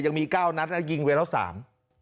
ยังมีก้าวนัดนะยิงเวลาสาม